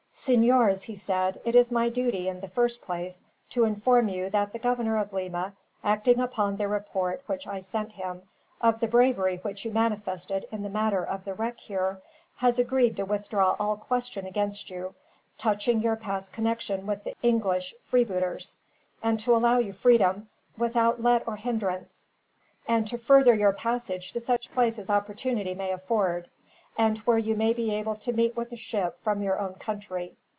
"Senors," he said, "it is my duty, in the first place, to inform you that the governor of Lima, acting upon the report, which I sent him, of the bravery which you manifested in the matter of the wreck here, has agreed to withdraw all question against you, touching your past connection with the English freebooters; and to allow you freedom, without let or hindrance, and to further your passage to such place as opportunity may afford, and where you may be able to meet with a ship from your own country.